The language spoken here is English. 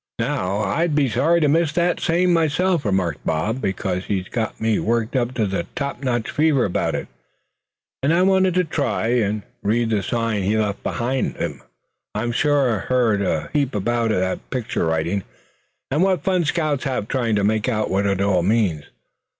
"Now, I'd be sorry to miss that same myself," remarked Bob; "because he's got me worked up to top notch fever about it, and I wanted to try and read the sign he left behind him. I've sure heard a heap about that picture writing, and what fun scouts have trying to make out what it all means.